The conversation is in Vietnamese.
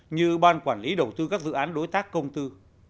như ban quản lý đầu tư các dự án đối tác công tư